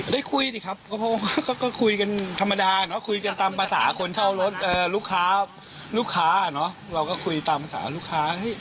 ได้คุยกับเขาไหมได้คุยดิครับเขาก็คุยกันธรรมดาเนาะคุยกันตามภาษาคนเช่ารถลูกค้าลูกค้าเนาะเราก็คุยตามภาษาลูกค้า